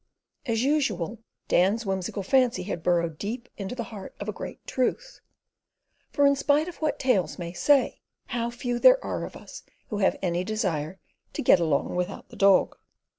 As usual, Dan's whimsical fancy had burrowed deep into the heart of a great truth; for, in spite of what "tails" may say, how few there are of us who have any desire to "get along without the dog."